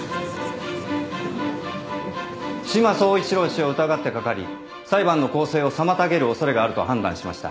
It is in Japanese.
志摩総一郎氏を疑ってかかり裁判の公正を妨げる恐れがあると判断しました。